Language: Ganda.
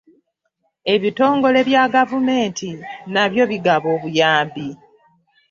Ebitongole bya gavumenti nabyo bigaba obuyambi.